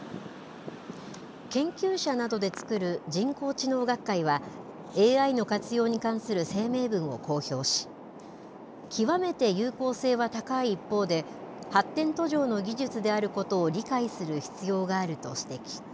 研究者などで作る人工知能学会は、ＡＩの活用に関する声明文を公表し、極めて有効性は高い一方で、発展途上の技術であることを理解する必要があると指摘。